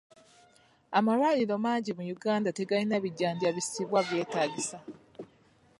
Amalwaliro mangi mu Uganda tegalina bijjanjabisibwa byetaagisa.